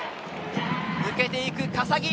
抜けていく、笠置。